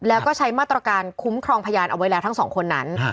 แล้วก็ใช้มาตรการคุ้มครองพยานเอาไว้แล้วทั้งสองคนนั้น